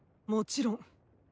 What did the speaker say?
もちろん。